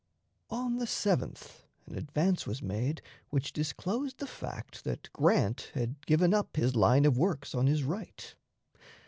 On the 7th an advance was made which disclosed the fact that Grant had given up his line of works on his right.